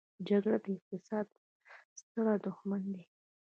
جګړه د اقتصاد ستر دښمن دی.